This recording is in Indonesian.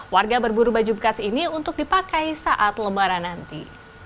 warga berburu baju bekas ini untuk dipakai saat lebaran nanti